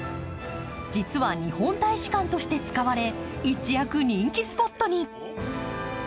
実は日本大使館として使われ、一躍人気スポットに。